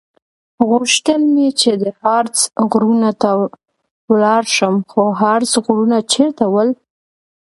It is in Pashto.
غوښتل مې چې د هارتز غرونو ته ولاړ شم، خو هارتز غرونه چېرته ول؟